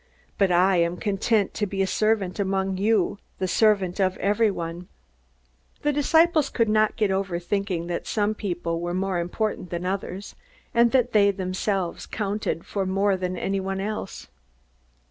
But I am content to be a servant among you, the servant of everyone." The disciples could not get over thinking that some people were more important than others, and that they themselves counted for more than anyone else.